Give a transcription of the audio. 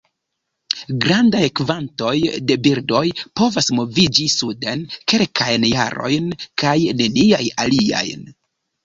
Grandaj kvantoj de birdoj povas moviĝi suden kelkajn jarojn; kaj neniaj aliajn.